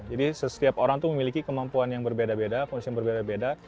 jadi setiap orang memiliki kemampuan yang berbeda beda kondisi yang berbeda beda